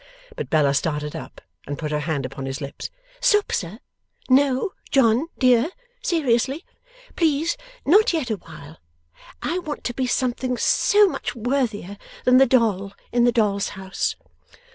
But Bella started up, and put her hand upon his lips. 'Stop, Sir! No, John, dear! Seriously! Please not yet a while! I want to be something so much worthier than the doll in the doll's house.